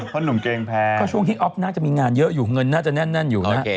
เพราะหนุ่มเกงแพ้ก็ช่วงที่อ๊อฟน่าจะมีงานเยอะอยู่เงินน่าจะแน่นอยู่นะ